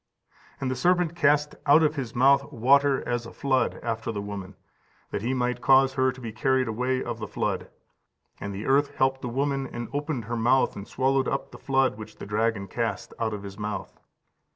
And the serpent cast (out of his mouth water as a flood after the woman, that he might cause her to be carried away of the flood. And the earth helped the woman, and opened her mouth, and swallowed up the flood which the dragon cast) out of his mouth.